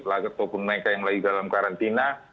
ataupun mereka yang lagi dalam karantina